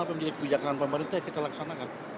apa yang menjadi kebijakan pemerintah kita laksanakan